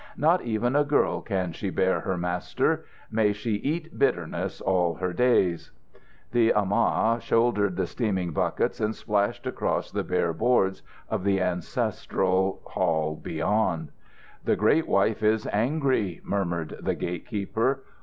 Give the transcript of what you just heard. "Not even a girl can she bear her master. May she eat bitterness all her days!" The amah shouldered the steaming buckets and splashed across the bare boards of the ancestral hall beyond. "The great wife is angry," murmured the gate keeper.